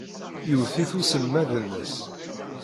Iwet-it uselmad-nnes.